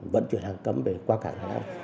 vận chuyển hàng cấm qua cảng